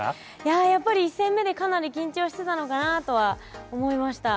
やっぱり１戦目でかなり緊張してたのかなとは思いました。